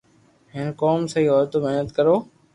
ھين ڪوم سھي ھوئي تو محنت ڪرو